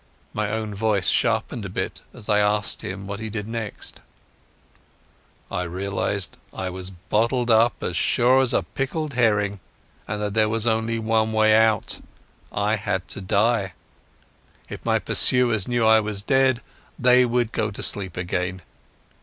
My own voice sharpened a bit as I asked him what he did next. "I realized that I was bottled as sure as a pickled herring, and that there was only one way out. I had to die. If my pursuers knew I was dead they would go to sleep again."